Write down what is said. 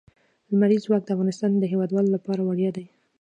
لمریز ځواک د افغانستان د هیوادوالو لپاره ویاړ دی.